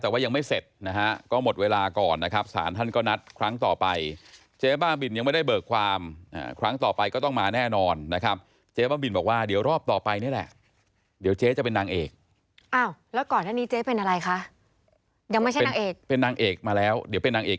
แต่ว่ายังไม่เสร็จนะฮะ